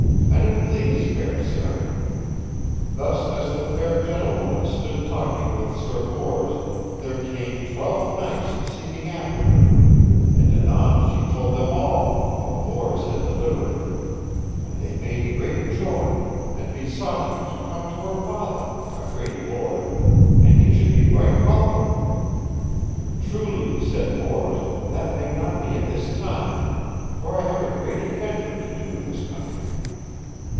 "An it please, fair sir. Thus as the fair gentlewoman stood talking with Sir Bors there came twelve knights seeking after her, and anon she told them all how Bors had delivered her; then they made great joy, and besought him to come to her father, a great lord, and he should be right welcome. Truly, said Bors, that may not be at this time, for I have a great adventure to do in this country.